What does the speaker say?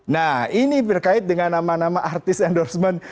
nah ini berkait dengan nama nama artis endorsement